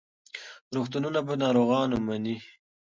روغتونونه به ناروغان مني.